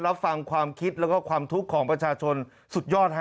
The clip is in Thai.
รับฟังความคิดแล้วก็ความทุกข์ของประชาชนสุดยอดฮะ